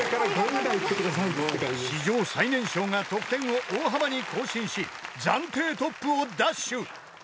［史上最年少が得点を大幅に更新し暫定トップを奪取］